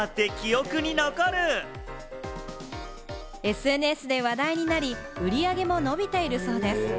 ＳＮＳで話題になり、売り上げも伸びているそうです。